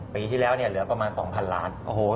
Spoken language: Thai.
ปีที่แล้วเหลือกลงมา๒๐๐๐ล้านบอร์ด